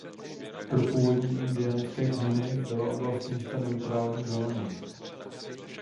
Pro původní indiánské kmeny byla oblast města „neutrální“ zónou.